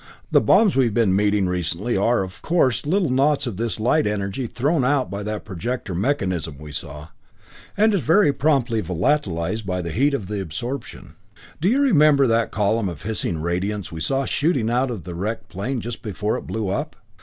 "The bombs we've been meeting recently are, of course, little knots of this light energy thrown out by that projector mechanism we saw. When they hit anything, the object absorbs their energy and is very promptly volatilized by the heat of the absorption. "Do you remember that column of hissing radiance we saw shooting out of the wrecked plane just before it blew up?